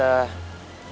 dia sangat memuji tante